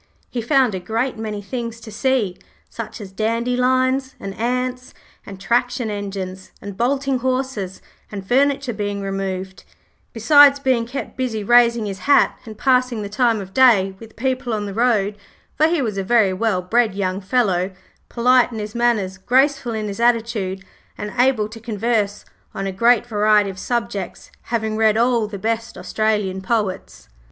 He found a great many things to see, such as dandelions, and ants, and traction engines, and bolting horses, and furniture being removed, besides being kept busy raising his hat, and passing the time of day with people on the road, for he was a very well bred young fellow, polite in his manners, graceful in his attitudes, and able to converse on a great variety of subjects, having read all the best Australian poets.